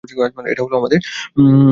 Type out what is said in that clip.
এটা হল আমাদের মুহূর্ত।